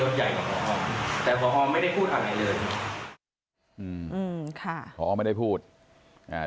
เขาพูดอีกคำอยู่ว่า